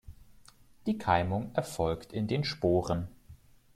Die Keimung erfolgt in den Sporen.